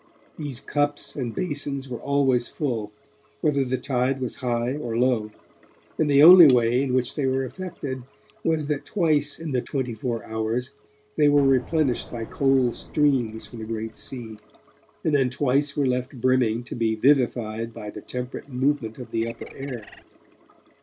These cups and basins were always full, whether the tide was high or low, and the only way in which they were affected was that twice in the twenty four hours they were replenished by cold streams from the great sea, and then twice were left brimming to be vivified by the temperate movement of the upper air.